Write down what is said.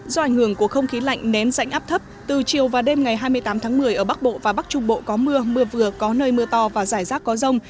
do ảnh hưởng của không khí lạnh nén rãnh áp thấp từ chiều và đêm ngày hai mươi tám tháng một mươi ở bắc bộ và bắc trung bộ có mưa mưa vừa có nơi mưa to và giải rác có rông